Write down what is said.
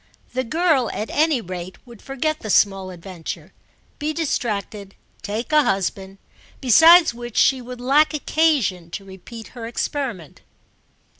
The girl at any rate would forget the small adventure, be distracted, take a husband; besides which she would lack occasion to repeat her experiment.